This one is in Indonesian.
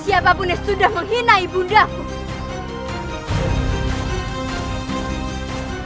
siapapun yang sudah menghina ibu undaku